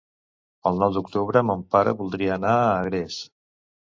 El nou d'octubre mon pare voldria anar a Agres.